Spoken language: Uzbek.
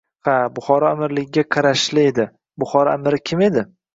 — Ha, Buxoro amirligiga qarashli edi. Buxoro amiri kim edi?